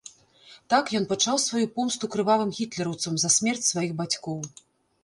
Так ён пачаў сваю помсту крывавым гітлераўцам за смерць сваіх бацькоў.